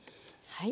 はい。